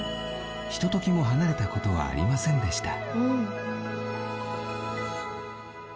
ひとときも離れたことはありませんでした